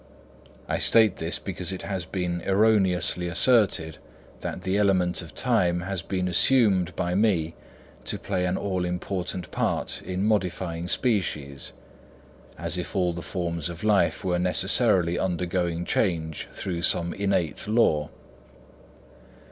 I state this because it has been erroneously asserted that the element of time has been assumed by me to play an all important part in modifying species, as if all the forms of life were necessarily undergoing change through some innate law.